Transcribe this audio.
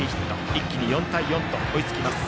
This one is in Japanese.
一気に４対４と追いつきます。